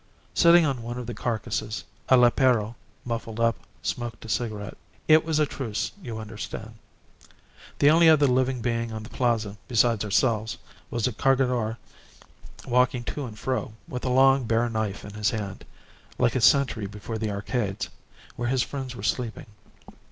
Sitting on one of the carcasses, a lepero, muffled up, smoked a cigarette. It was a truce, you understand. The only other living being on the Plaza besides ourselves was a Cargador walking to and fro, with a long, bare knife in his hand, like a sentry before the Arcades, where his friends were sleeping.